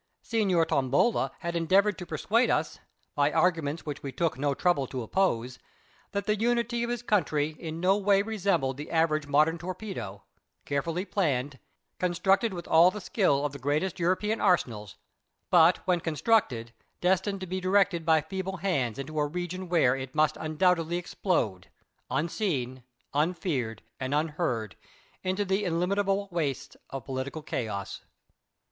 Signor Tombola had endeavoured to persuade us, by arguments which we took no trouble to oppose, that the unity of his country in no way resembled the average modern torpedo, carefully planned, constructed with all the skill of the greatest European arsenals, but, when constructed, destined to be directed by feeble hands into a region where it must undoubtedly explode, unseen, unfeared, and unheard, into the illimitable wastes of political chaos.